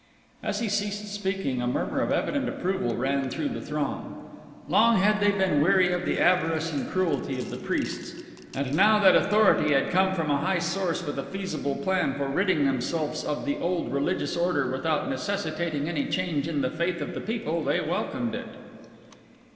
As he ceased speaking a murmur of evident approval ran through the throng. Long had they been weary of the avarice and cruelty of the priests and now that authority had come from a high source with a feasible plan for ridding themselves of the old religious order without necessitating any change in the faith of the people they welcomed it.